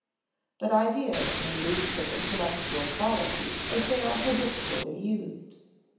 But ideas may lose their intellectual quality as they are habitually used.